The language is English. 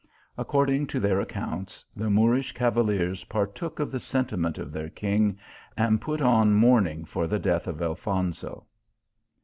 According to their accounts, the Moorish cavaliers partook of the sentiment of their king, and put on mourning for the death of Al fonso.